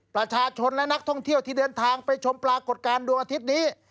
ประชาชนและนักท่องเที่ยวที่เดินทางไปชมปรากฏการณ์ดวงอาทิตย์นี้